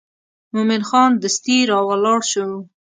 مومن خان دستي راولاړ شو.